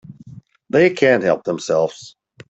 They can't help themselves.